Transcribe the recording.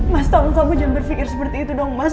mas tom kamu jangan berpikir seperti itu dong mas